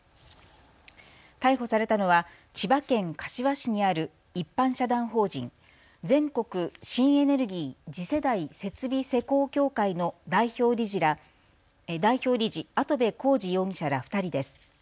逮捕されたのは千葉県柏市にある一般社団法人全国新エネルギー次世代設備施工協会の代表理事、跡部浩二容疑者ら２人です。